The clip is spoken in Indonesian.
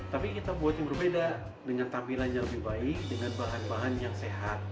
tapi kita buat yang berbeda dengan tampilan yang lebih baik dengan bahan bahan yang sehat